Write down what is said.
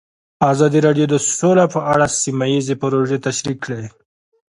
ازادي راډیو د سوله په اړه سیمه ییزې پروژې تشریح کړې.